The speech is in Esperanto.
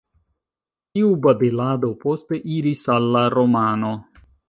Tiu babilado poste iris al la romano.